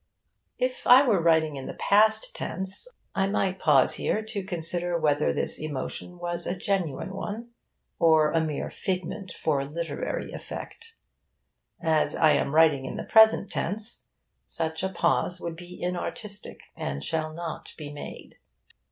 If I were writing in the past tense, I might pause here to consider whether this emotion was a genuine one or a mere figment for literary effect. As I am writing in the present tense, such a pause would be inartistic, and shall not be made.